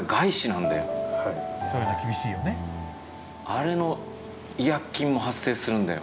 ・あれの違約金も発生するんだよ。